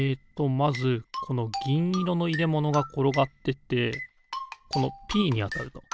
まずこのぎんいろのいれものがころがってってこの「Ｐ」にあたると。